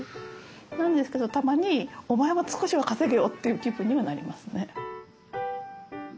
なんですけどたまにお前も少しは稼げよっていう気分にはなりますね。